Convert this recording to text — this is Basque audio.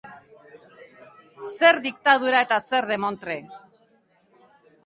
Zer diktadura eta zer demontre.